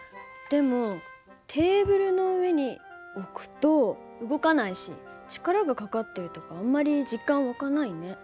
でもテーブルの上に置くと動かないし力がかかってるとかあんまり実感湧かないね。